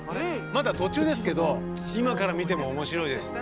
まだ途中ですけど今から見ても面白いです。